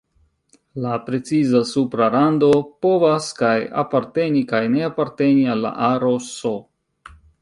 La preciza supra rando povas kaj aparteni kaj ne aparteni al la aro "S".